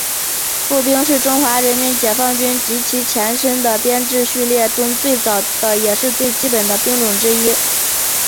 步兵是中国人民解放军及其前身的编制序列中最早的也是最基本的兵种之一。